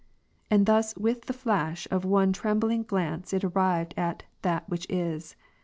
And thus with the flash of one trembling glance it arrived at That Which Is.